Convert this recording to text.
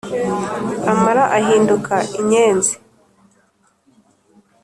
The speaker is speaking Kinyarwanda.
amara ahinduka inyenzi